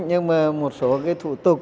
nhưng mà một số cái thủ tục